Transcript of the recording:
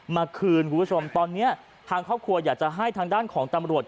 มาคืนคุณผู้ชมตอนเนี้ยทางครอบครัวอยากจะให้ทางด้านของตำรวจ